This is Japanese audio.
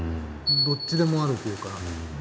どっちでもあるというか。